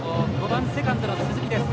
５番セカンドの鈴木です。